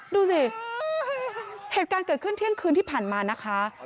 ดูสิเหตุการณ์เกิดขึ้นเที่ยงคืนที่ผ่านมานะคะ